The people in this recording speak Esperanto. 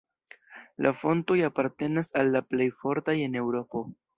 La fontoj apartenas al la plej fortaj en Eŭropo.